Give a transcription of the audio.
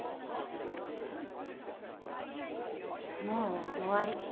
もう終わり。